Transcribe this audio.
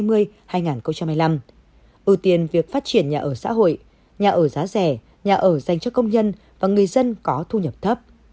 ưu tiên việc phát triển nhà ở xã hội nhà ở giá rẻ nhà ở dành cho công nhân và người dân có thu nhập thấp